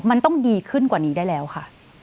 มันต้องดีขึ้นกว่านี้ได้แล้วค่ะ